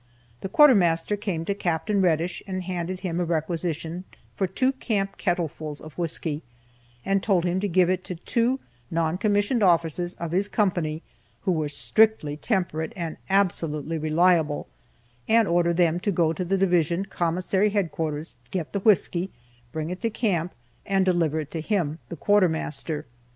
The quartermaster came to Capt. Reddish and handed him a requisition for two camp kettlefuls of whisky, and told him to give it to two non commissioned officers of his company who were strictly temperate and absolutely reliable, and order them to go to the Division commissary headquarters, get the whisky, bring it to camp, and deliver it to him, the quartermaster.